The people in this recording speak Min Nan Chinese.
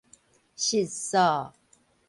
實數